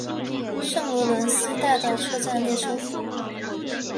圣罗伦斯大道车站列车服务。